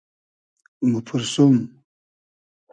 موپورسوم